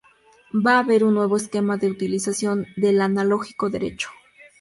Va a haber un nuevo esquema de utilización del analógico derecho.